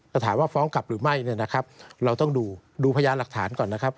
แต่ถามว่าฟ้องกลับหรือไม่เนี่ยนะครับเราต้องดูดูพยานหลักฐานก่อนนะครับ